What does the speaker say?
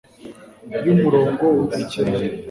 y'umurongo w'ubukene